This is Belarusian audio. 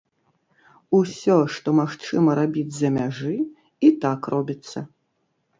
Усё, што магчыма рабіць з-за мяжы, і так робіцца.